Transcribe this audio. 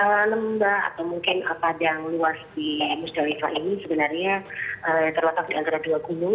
ala lembah atau mungkin padang luas di musdalifah ini sebenarnya terletak di antara dua gunung